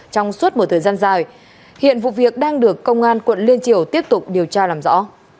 trong suốt một thời gian dài hiện vụ việc đang được công an quận liên triều tiếp tục điều tra làm rõ